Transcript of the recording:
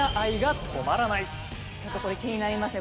ちょっとこれ気になりますね。